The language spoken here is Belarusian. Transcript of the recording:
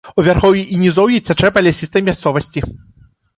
У вярхоўі і нізоўі цячэ па лясістай мясцовасці.